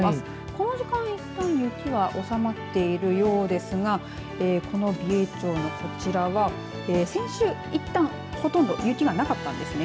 この時間いったん雪は収まっているようですがこの美瑛町のこちらは先週いったんほとんど雪はなかったんですね。